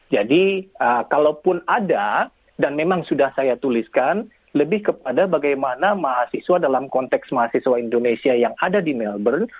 kalaupun ada dan memang sudah saya tuliskan lebih kepada bagaimana mahasiswa dalam konteks mahasiswa indonesia yang ada di melbourne